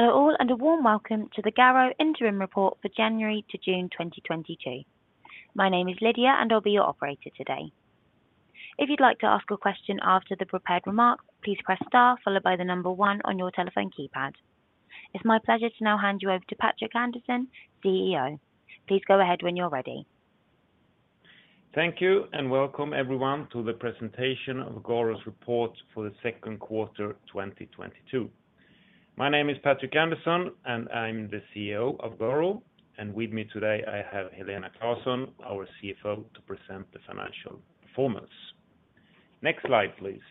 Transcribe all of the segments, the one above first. Hello all, and a warm welcome to the Garo Interim Report for January to June 2022. My name is Lydia, and I'll be your operator today. If you'd like to ask a question after the prepared remarks, please press star followed by the number one on your telephone keypad. It's my pleasure to now hand you over to Patrik Andersson, CEO. Please go ahead when you're ready. Thank you, and welcome everyone to the presentation of Garo's report for the second quarter, 2022. My name is Patrik Andersson, and I'm the CEO of Garo. With me today, I have Helena Claesson, our CFO, to present the financial performance. Next slide, please.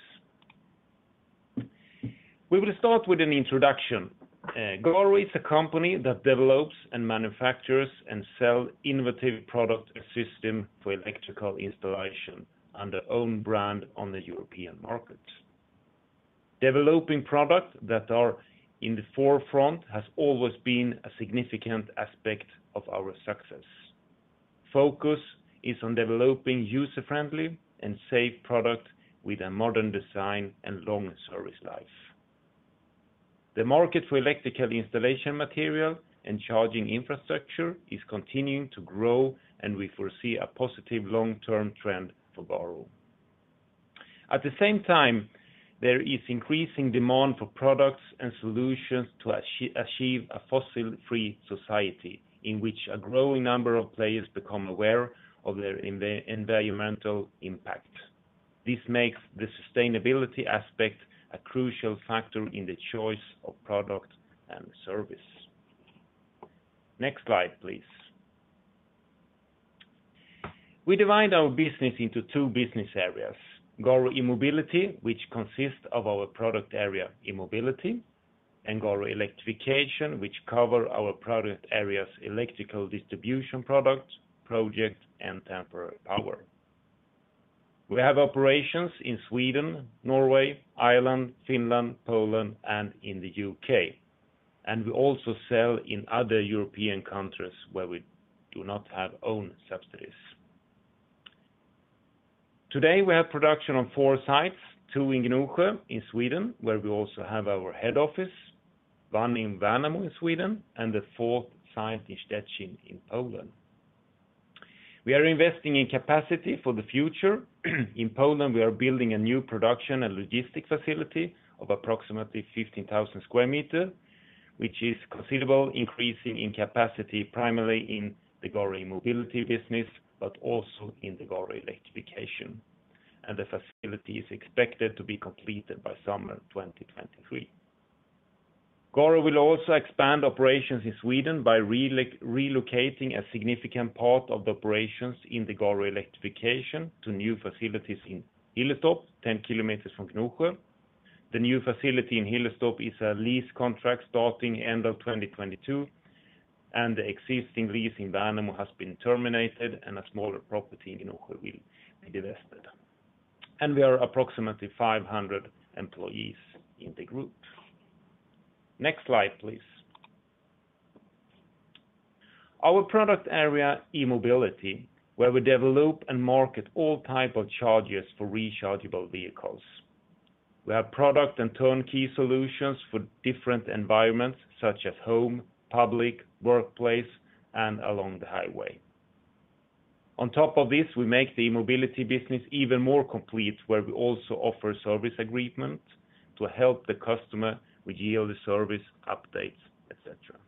We will start with an introduction. Garo is a company that develops and manufactures and sell innovative product system for electrical installation under our own brand on the European market. Developing product that are in the forefront has always been a significant aspect of our success. Focus is on developing user-friendly and safe product with a modern design and long service life. The market for electrical installation material and charging infrastructure is continuing to grow, and we foresee a positive long-term trend for Garo. At the same time, there is increasing demand for products and solutions to achieve a fossil-free society in which a growing number of players become aware of their environmental impact. This makes the sustainability aspect a crucial factor in the choice of product and service. Next slide, please. We divide our business into two business areas, Garo E-mobility, which consists of our product area E-mobility, and Garo Electrification, which cover our product areas electrical distribution products, projects, and temporary power. We have operations in Sweden, Norway, Ireland, Finland, Poland, and in the U.K., and we also sell in other European countries where we do not have own subsidiaries. Today, we have production on four sites, two in Gnosjö in Sweden, where we also have our head office, one in Värnamo in Sweden, and the fourth site in Szczecin in Poland. We are investing in capacity for the future. In Poland, we are building a new production and logistics facility of approximately 15,000 square meter, which is a considerable increase in capacity, primarily in the Garo E-mobility business, but also in the Garo Electrification. The facility is expected to be completed by summer 2023. Garo will also expand operations in Sweden by relocating a significant part of the operations in the Garo Electrification to new facilities in Hillerstorp, 10 kilometers from Gnosjö. The new facility in Hillerstorp is a lease contract starting end of 2022, and the existing lease in Värnamo has been terminated and a smaller property in Gnosjö will be divested. We are approximately 500 employees in the group. Next slide, please. Our product area, E-mobility, where we develop and market all types of chargers for rechargeable vehicles. We have product and turnkey solutions for different environments such as home, public, workplace, and along the highway. On top of this, we make the E-mobility business even more complete where we also offer service agreement to help the customer with yearly service, updates, et cetera.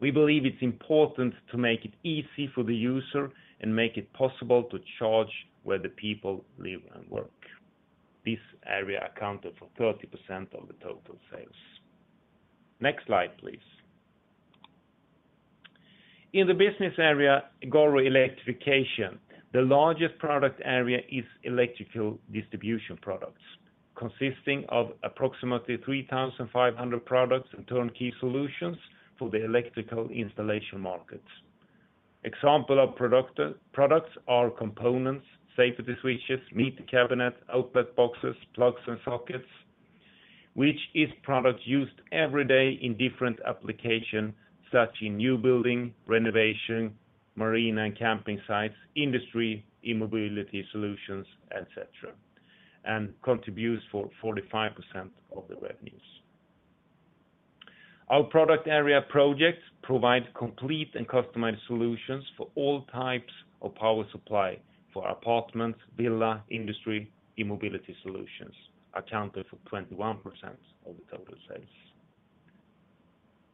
We believe it's important to make it easy for the user and make it possible to charge where the people live and work. This area accounted for 30% of the total sales. Next slide, please. In the business area, Garo Electrification, the largest product area is electrical distribution products, consisting of approximately 3,500 products and turnkey solutions for the electrical installation market. Examples of products are components, safety switches, meter cabinets, outlet boxes, plugs and sockets, which are products used every day in different applications, such as in new buildings, renovation, marine and camping sites, industry, E-mobility solutions, etc., and contribute for 45% of the revenues. Our product area projects provide complete and customized solutions for all types of power supply for apartments, villas, industry. E-mobility solutions accounted for 21% of the total sales.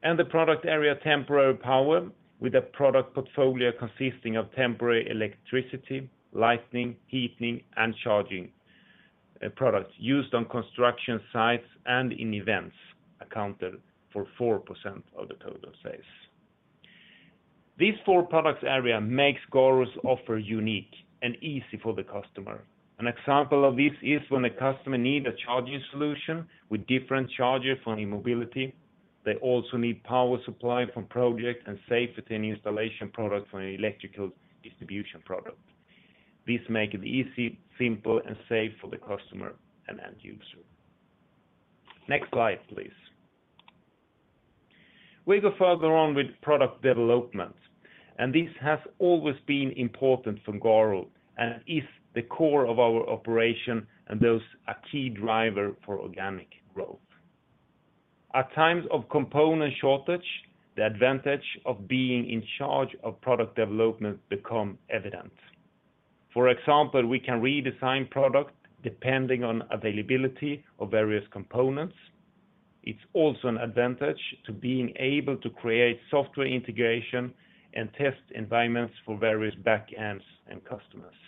The product area temporary power with a product portfolio consisting of temporary electricity, lighting, heating, and charging products used on construction sites and in events accounted for 4% of the total sales. These four product areas make Garo's offer unique and easy for the customer. An example of this is when a customer needs a charging solution with different chargers for an E-mobility. They also need power supply for project and safety and installation product for an electrical distribution product. This make it easy, simple, and safe for the customer and end user. Next slide, please. We go further on with product development, and this has always been important for Garo and is the core of our operation and thus a key driver for organic growth. At times of component shortage, the advantage of being in charge of product development become evident. For example, we can redesign product depending on availability of various components. It's also an advantage to being able to create software integration and test environments for various backends and customers.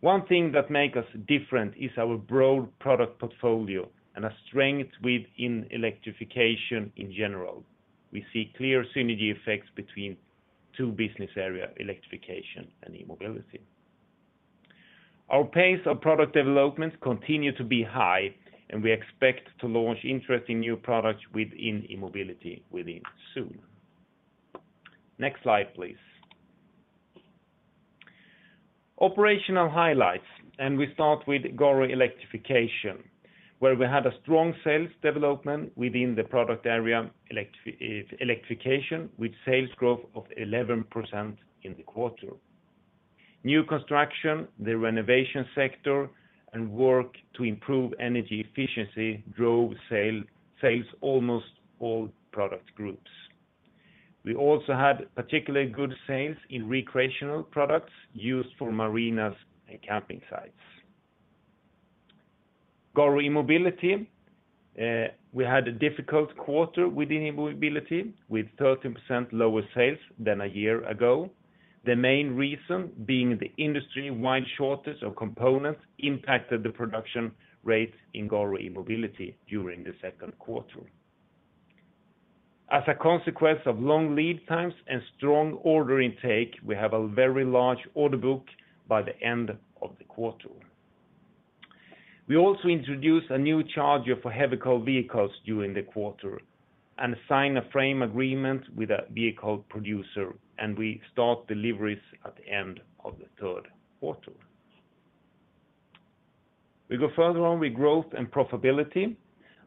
One thing that make us different is our broad product portfolio and a strength within Electrification in general. We see clear synergy effects between two business areas, Electrification and E-mobility. Our pace of product development continue to be high and we expect to launch interesting new products within E-mobility within soon. Next slide, please. Operational highlights. We start with Garo Electrification, where we had a strong sales development within the product area electrification with sales growth of 11% in the quarter. New construction, the renovation sector, and work to improve energy efficiency drove sales almost all product groups. We also had particularly good sales in recreational products used for marinas and camping sites. Garo E-mobility, we had a difficult quarter within E-mobility with 13% lower sales than a year ago. The main reason being the industry-wide shortage of components impacted the production rate in Garo E-mobility during the second quarter. As a consequence of long lead times and strong order intake, we have a very large order book by the end of the quarter. We also introduced a new charger for heavy commercial vehicles during the quarter and sign a framework agreement with a vehicle producer, and we start deliveries at the end of the third quarter. We go further on with growth and profitability.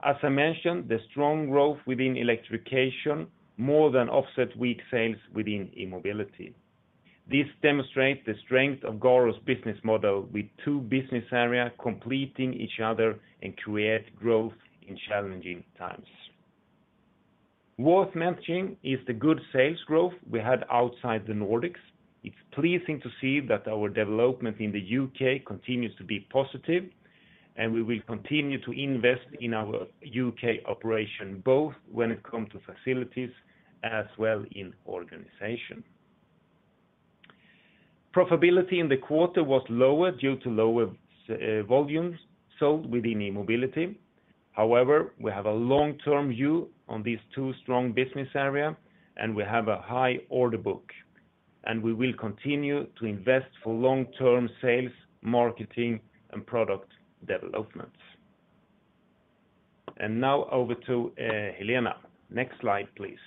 As I mentioned, the strong growth within Electrification more than offset weak sales within E-mobility. This demonstrate the strength of Garo's business model with two business area completing each other and create growth in challenging times. Worth mentioning is the good sales growth we had outside the Nordics. It's pleasing to see that our development in the U.K. continues to be positive, and we will continue to invest in our U.K. operation both when it comes to facilities as well as in organization. Profitability in the quarter was lower due to lower volumes sold within E-mobility. However, we have a long-term view on these two strong business areas, and we have a high order book, and we will continue to invest for long-term sales, marketing, and product development. Now over to Helena. Next slide, please.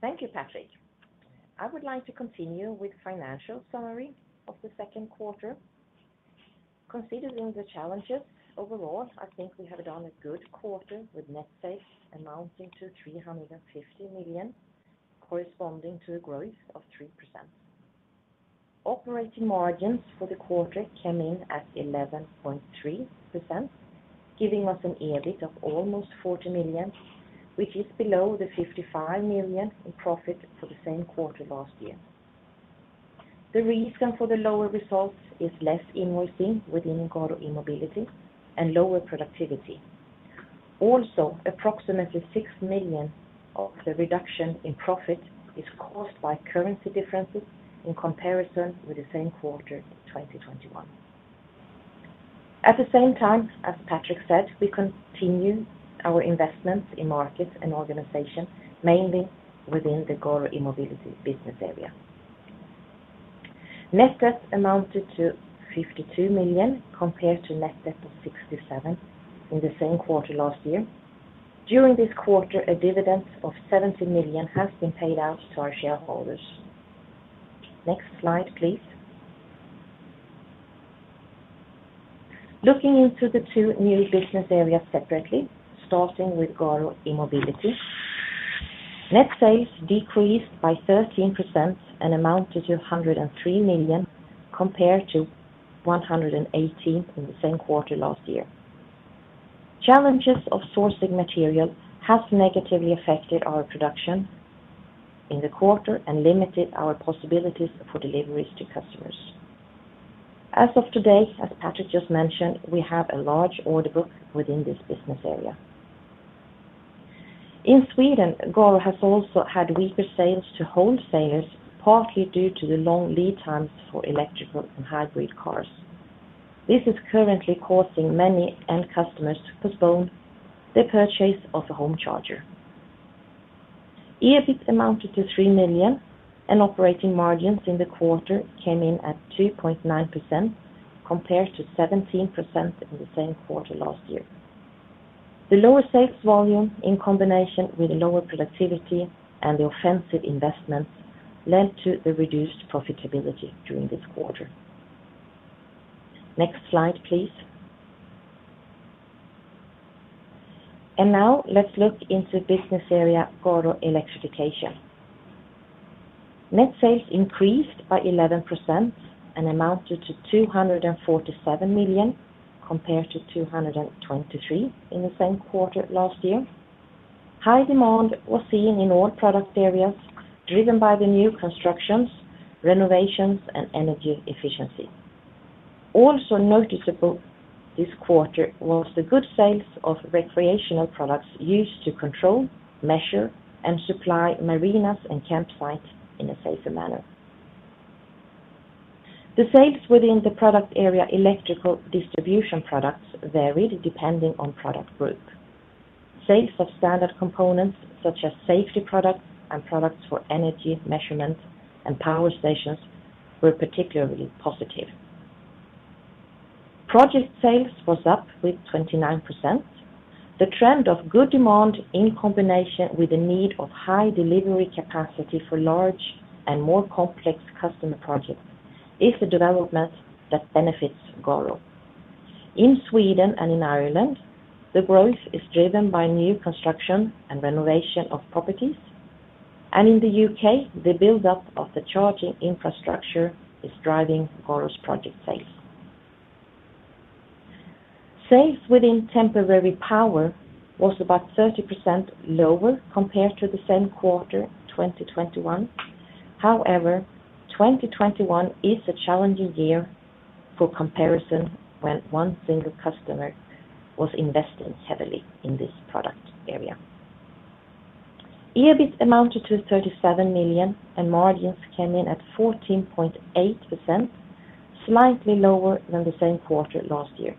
Thank you, Patrik. I would like to continue with financial summary of the second quarter. Considering the challenges, overall, I think we have done a good quarter with net sales amounting to 350 million, corresponding to a growth of 3%. Operating margins for the quarter came in at 11.3%, giving us an EBIT of almost 40 million, which is below the 55 million in profit for the same quarter last year. The reason for the lower results is less invoicing within Garo E-mobility and lower productivity. Also, approximately 6 million of the reduction in profit is caused by currency differences in comparison with the same quarter in 2021. At the same time, as Patrik said, we continue our investments in markets and organization, mainly within the Garo E-mobility business area. Net debt amounted to 52 million compared to net debt of 67 million in the same quarter last year. During this quarter, a dividend of 70 million has been paid out to our shareholders. Next slide, please. Looking into the two new business areas separately, starting with Garo E-mobility. Net sales decreased by 13% and amounted to 103 million compared to 118 million in the same quarter last year. Challenges of sourcing material has negatively affected our production in the quarter and limited our possibilities for deliveries to customers. As of today, as Patrik just mentioned, we have a large order book within this business area. In Sweden, Garo has also had weaker sales to wholesalers, partly due to the long lead times for electric and hybrid cars. This is currently causing many end customers to postpone the purchase of a home charger. EBIT amounted to 3 million, and operating margins in the quarter came in at 2.9% compared to 17% in the same quarter last year. The lower sales volume in combination with lower productivity and the offensive investments led to the reduced profitability during this quarter. Next slide, please. Now let's look into business area Garo Electrification. Net sales increased by 11% and amounted to 247 million compared to 223 million in the same quarter last year. High demand was seen in all product areas, driven by the new constructions, renovations, and energy efficiency. Also noticeable this quarter was the good sales of recreational products used to control, measure, and supply marinas and campsites in a safer manner. The sales within the product area, electrical distribution products, varied depending on product group. Sales of standard components such as safety products and products for energy measurements and power stations were particularly positive. Project sales was up with 29%. The trend of good demand in combination with the need of high delivery capacity for large and more complex customer projects is a development that benefits Garo. In Sweden and in Ireland, the growth is driven by new construction and renovation of properties. In the U.K., the buildup of the charging infrastructure is driving Garo's project sales. Sales within temporary power was about 30% lower compared to the same quarter, 2021. However, 2021 is a challenging year for comparison, when one single customer was investing heavily in this product area. EBIT amounted to 37 million, and margins came in at 14.8%, slightly lower than the same quarter last year.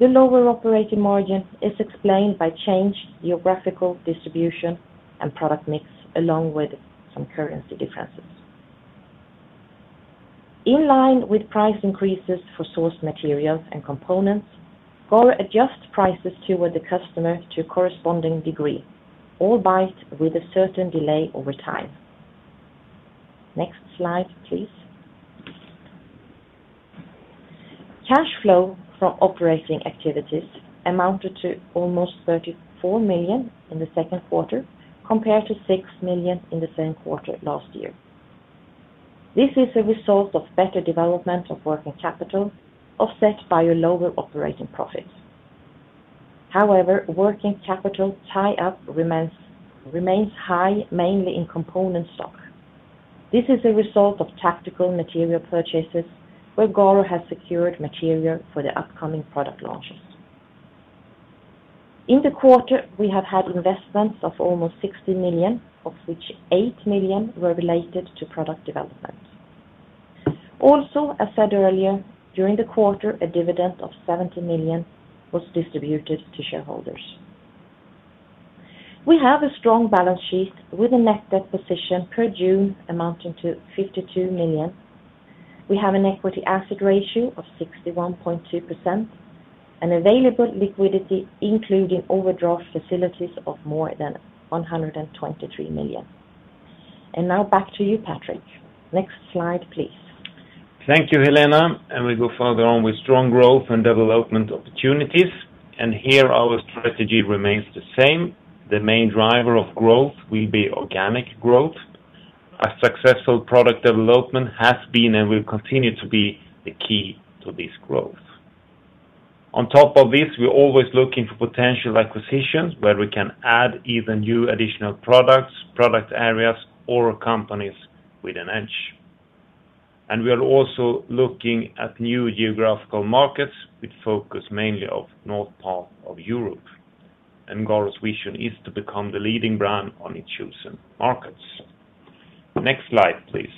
The lower operating margin is explained by changed geographical distribution and product mix, along with some currency differences. In line with price increases for source materials and components, Garo adjusts prices toward the customer to corresponding degree, albeit with a certain delay over time. Next slide, please. Cash flow from operating activities amounted to almost 34 million in the second quarter compared to 6 million in the same quarter last year. This is a result of better development of working capital offset by a lower operating profit. However, working capital tie-up remains high, mainly in component stock. This is a result of tactical material purchases, where Garo has secured material for the upcoming product launches. In the quarter, we have had investments of almost 60 million, of which 8 million were related to product development. Also, as said earlier, during the quarter, a dividend of 70 million was distributed to shareholders. We have a strong balance sheet with a net debt position per June amounting to 52 million. We have an equity asset ratio of 61.2%, and available liquidity, including overdraft facilities of more than 123 million. Now back to you, Patrik. Next slide, please. Thank you, Helena. We go further on with strong growth and development opportunities. Here our strategy remains the same. The main driver of growth will be organic growth. A successful product development has been and will continue to be the key to this growth. On top of this, we're always looking for potential acquisitions, where we can add even new additional products, product areas or companies with an edge. We are also looking at new geographical markets with focus mainly of north part of Europe. Garo's vision is to become the leading brand on its chosen markets. Next slide, please.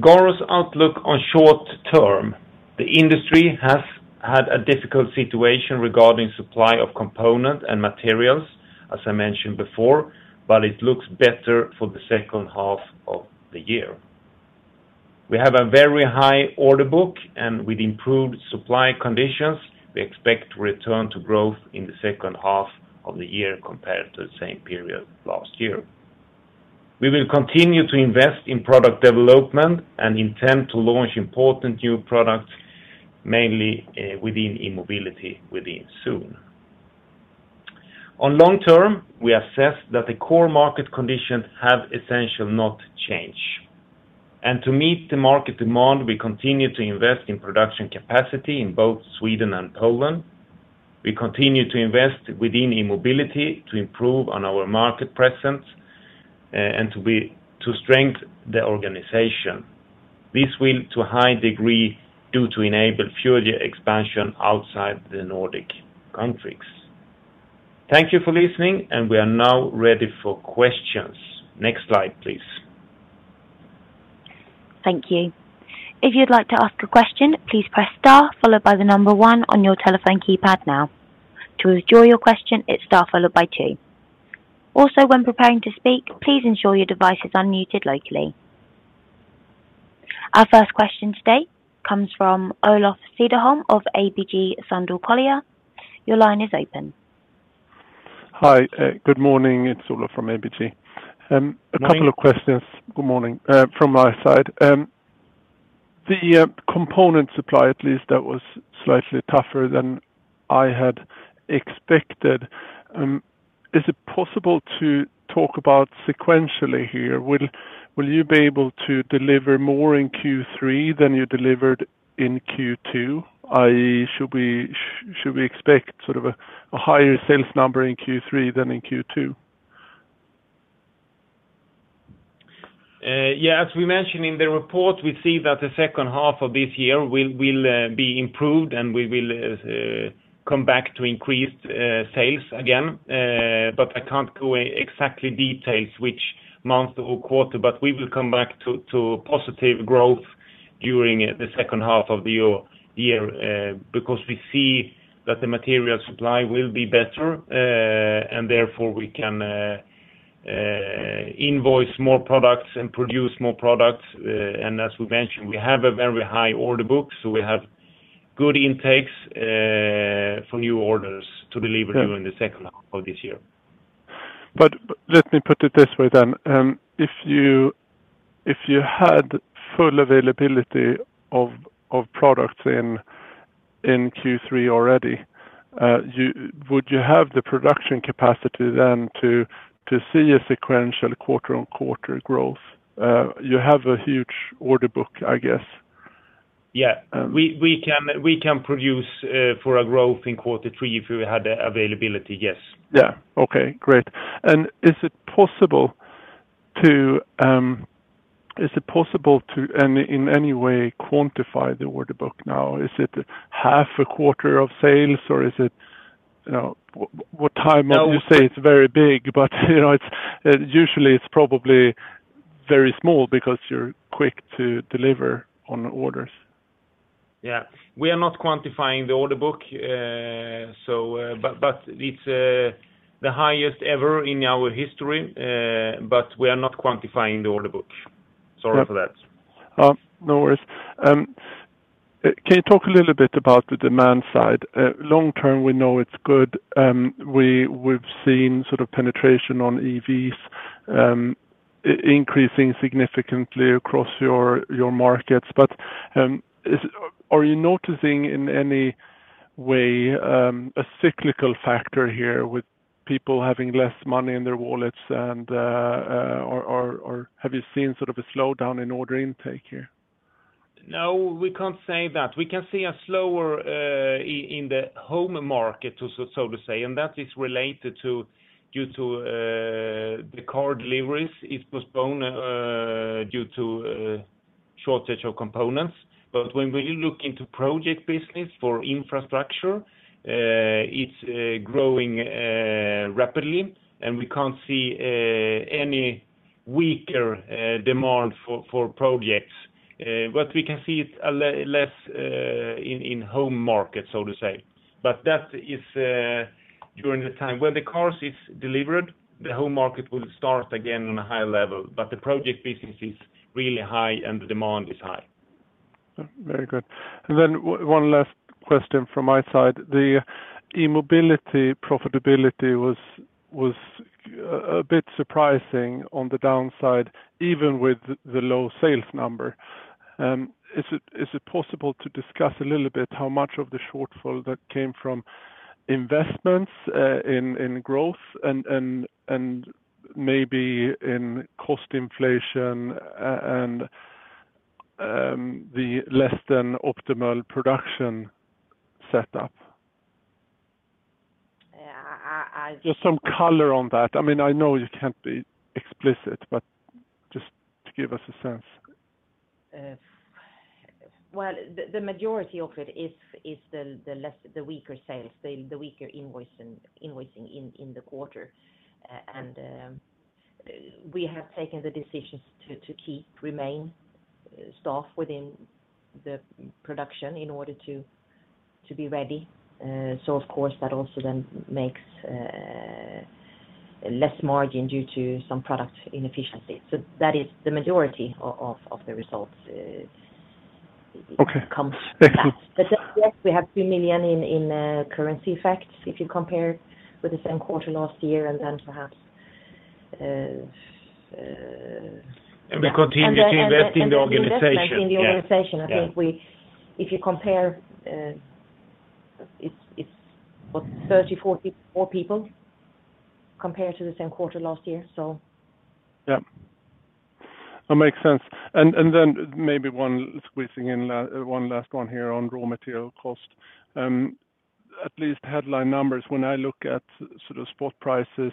Garo's outlook on short term, the industry has had a difficult situation regarding supply of component and materials, as I mentioned before, but it looks better for the second half of the year. We have a very high order book and with improved supply conditions, we expect to return to growth in the second half of the year compared to the same period last year. We will continue to invest in product development and intend to launch important new products, mainly within E-mobility soon. In the long term, we assess that the core market conditions have essentially not changed. To meet the market demand, we continue to invest in production capacity in both Sweden and Poland. We continue to invest within E-mobility to improve on our market presence and to strengthen the organization. This will, to a high degree, enable further expansion outside the Nordic countries. Thank you for listening, and we are now ready for questions. Next slide, please. Thank you. If you'd like to ask a question, please press star followed by the number one on your telephone keypad now. To withdraw your question, it's star followed by two. Also, when preparing to speak, please ensure your device is unmuted locally. Our first question today comes from Olof Cederholm of ABG Sundal Collier. Your line is open. Hi, good morning. It's Olof from ABG. Morning. A couple of questions, good morning, from my side. The component supply, at least that was slightly tougher than I had expected. Is it possible to talk about sequentially here? Will you be able to deliver more in Q3 than you delivered in Q2? Should we expect sort of a higher sales number in Q3 than in Q2? Yeah, as we mentioned in the report, we see that the second half of this year will be improved, and we will come back to increased sales again. I can't go into exact details which month or quarter but we will come back to positive growth during the second half of the year. Because we see that the material supply will be better, and therefore we can invoice more products and produce more products. As we mentioned, we have a very high order book, so we have good intakes for new orders to deliver during the second half of this year. Let me put it this way then. If you had full availability of products in Q3 already, you would have the production capacity then to see a sequential quarter-on-quarter growth? You have a huge order book, I guess. Yeah. We can produce for a growth in quarter three if we had the availability, yes. Yeah. Okay, great. Is it possible to in any way quantify the order book now? Is it half a quarter of sales or is it, you know, what time of, you say it's very big, but you know, it's usually probably very small because you're quick to deliver on orders. Yeah. We are not quantifying the order book. It's the highest ever in our history, but we are not quantifying the order book. Sorry for that. No worries. Can you talk a little bit about the demand side? Long term we know it's good. We've seen sort of penetration on EVs, increasing significantly across your markets. Are you noticing in any way, a cyclical factor here with people having less money in their wallets and, or have you seen sort of a slowdown in order intake here? No, we can't say that. We can see a slower in the home market, so to say, and that is related due to the car deliveries is postponed due to shortage of components. When we look into project business for infrastructure, it's growing rapidly and we can't see any weaker demand for projects. What we can see it's a less in home market, so to say. That is during the time when the cars is delivered, the home market will start again on a high level. The project business is really high and the demand is high. Very good. One last question from my side. The E-mobility profitability was a bit surprising on the downside, even with the low sales number. Is it possible to discuss a little bit how much of the shortfall that came from investments in growth and maybe in cost inflation and the less than optimal production setup? Just some color on that. I mean, I know you can't be explicit, but just to give us a sense. Well, the majority of it is the weaker sales, the weaker invoicing in the quarter. We have taken the decisions to keep remaining staff within the production in order to be ready. Of course, that also then makes less margin due to some production inefficiency. That is the majority of the results. It comes to that. Okay. Thank you. Yes, we have 3 million in currency effects if you compare with the same quarter last year. Then perhaps. We continue to invest in the organization. The investment in the organization. Yeah. Yeah. I think we, if you compare, it's what? 34 people compared to the same quarter last year. Yeah. That makes sense. Maybe one last one here on raw material cost. At least headline numbers, when I look at sort of spot prices,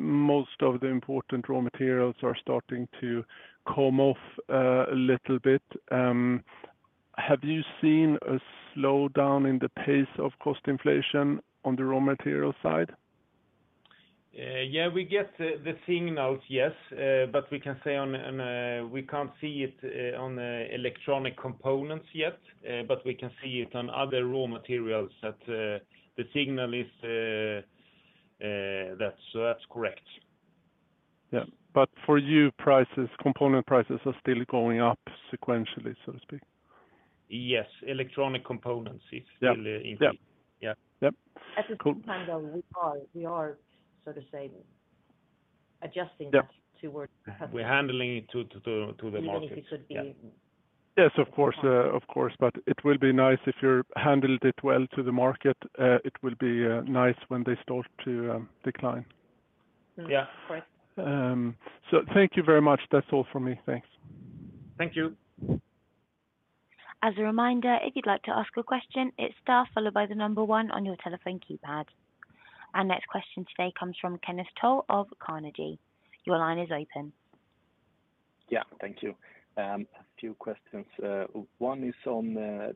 most of the important raw materials are starting to come off a little bit. Have you seen a slowdown in the pace of cost inflation on the raw material side? Yeah, we get the signals, yes. We can't see it on electronic components yet, but we can see it on other raw materials that the signal is, so that's correct. Yeah. For your prices, component prices are still going up sequentially, so to speak? Yes. Electronic components is still. Yeah. Yeah. Yeah. Yep. Cool. At the same time, though, we are so to speak, adjusting that towards the customer. We're handling it to the market. Yeah. Even if it could be. Yes, of course. It will be nice if you handled it well to the market. It will be nice when they start to decline. Yeah. Of course. Thank you very much. That's all from me. Thanks. Thank you. As a reminder, if you'd like to ask a question, it's star followed by the number one on your telephone keypad. Our next question today comes from Kenneth Toll of Carnegie. Your line is open. Yeah, thank you. A few questions. One is on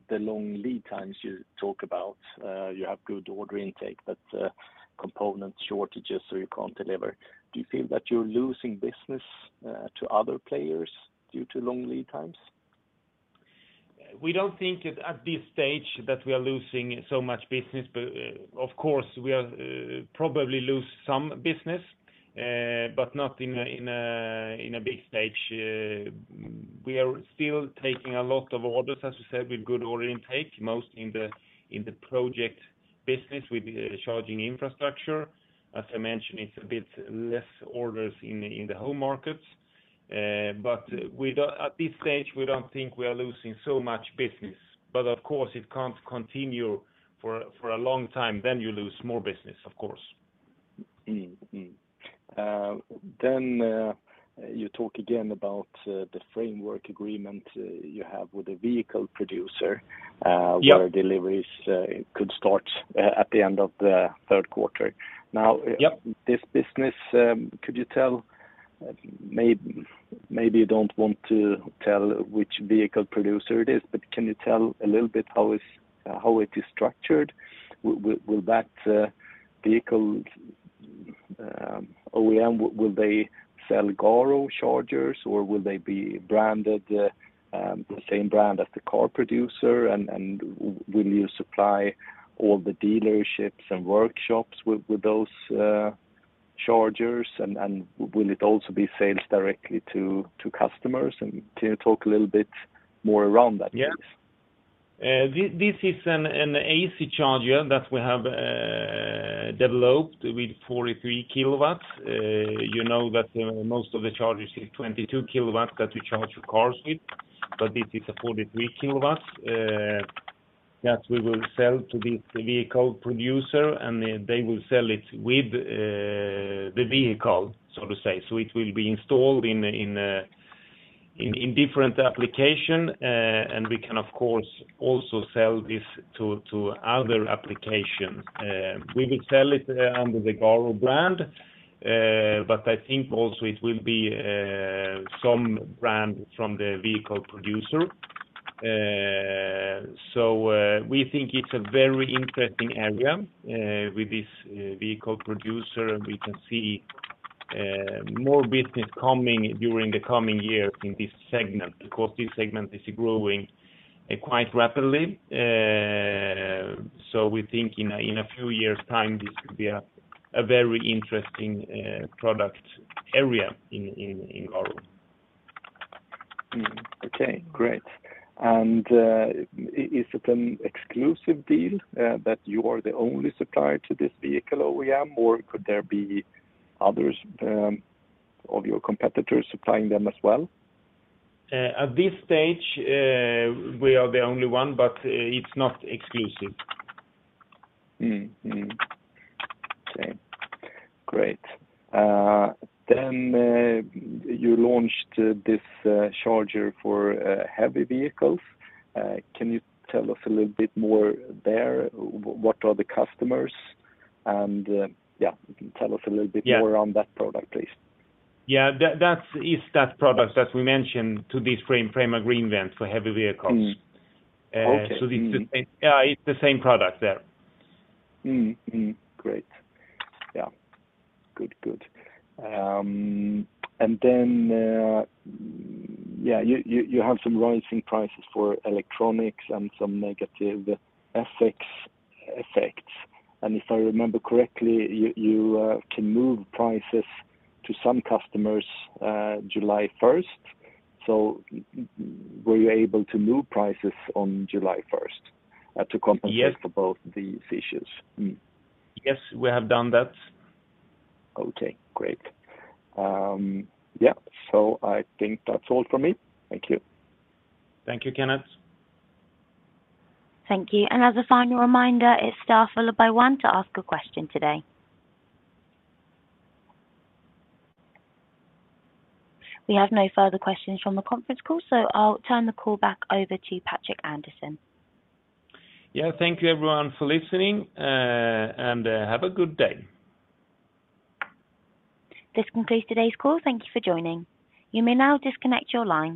the long lead times you talk about. You have good order intake, but component shortages, so you can't deliver. Do you feel that you're losing business to other players due to long lead times? We don't think it at this stage that we are losing so much business, but of course, we are probably lose some business, but not in a big stage. We are still taking a lot of orders, as you said, with good order intake, most in the Project business with the charging infrastructure. As I mentioned, it's a bit less orders in the home markets. At this stage, we don't think we are losing so much business. Of course, it can't continue for a long time, then you lose more business, of course. You talk again about the framework agreement you have with the vehicle producer where deliveries could start at the end of the third quarter. Yep. This business, could you tell, maybe you don't want to tell which vehicle producer it is, but can you tell a little bit how it is structured? Will that vehicle OEM, will they sell Garo chargers, or will they be branded the same brand as the car producer, and will you supply all the dealerships and workshops with those chargers, and will it also be sales directly to customers? Can you talk a little bit more around that, please? Yeah. This is an AC charger that we have developed with 43 kW. You know that most of the chargers is 22 kW that you charge your cars with. This is a 43 kW that we will sell to the vehicle producer, and they will sell it with the vehicle, so to say. It will be installed in different applications. We can, of course, also sell this to other applications. We will sell it under the Garo brand, but I think also it will be some brand from the vehicle producer. We think it's a very interesting area with this vehicle producer. We can see more business coming during the coming years in this segment because this segment is growing quite rapidly. We think in a few years' time, this could be a very interesting product area in Garo. Okay, great. Is it an exclusive deal that you are the only supplier to this vehicle OEM, or could there be others of your competitors supplying them as well? At this stage, we are the only one but it's not exclusive. Okay. Great. Then you launched this charger for heavy vehicles. Can you tell us a little bit more there? What are the customers? Yeah, tell us a little bit more on that product, please. It's that product that we mentioned to this framework agreement for heavy vehicles. Mm-hmm. Okay. It's the same product there. Then yeah, you have some rising prices for electronics and some negative FX effects. If I remember correctly, you can move prices to some customers July first. Were you able to move prices on July first to compensate for both these issues? Mm-hmm. Yes, we have done that. Okay, great. Yeah. I think that's all from me. Thank you. Thank you, Kenneth. Thank you. As a final reminder, it's star followed by one to ask a question today. We have no further questions from the conference call, so I'll turn the call back over to Patrik Andersson. Yeah. Thank you everyone for listening, and have a good day. This concludes today's call. Thank you for joining. You may now disconnect your line.